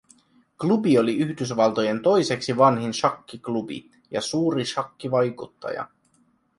Klubi oli Yhdysvaltojen toiseksi vanhin shakkiklubi ja suuri shakkivaikuttaja